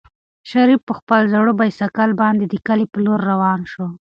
شریف په خپل زوړ بایسکل باندې د کلي په لور روان شو.